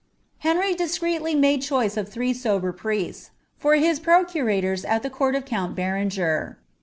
Henry discreetly made choice of three sober priests, for his _ tors at the court of count Berenger.'